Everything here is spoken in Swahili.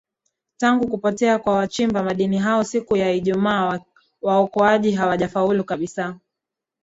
tangu kupotea kwa wachimba madini hao siku ya ijumaa waokoaji hawajafaulu kabisa